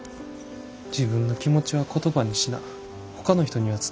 自分の気持ちは言葉にしなほかの人には伝わらへんやろ？